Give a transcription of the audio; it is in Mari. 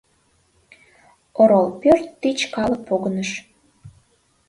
Орол пӧрт тич калык погыныш.